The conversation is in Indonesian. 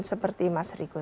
seperti mas riko